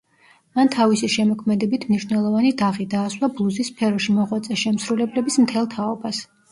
მან თავისი შემოქმედებით მნიშვნელოვანი დაღი დაასვა ბლუზის სფეროში მოღვაწე შემსრულებლების მთელ თაობას.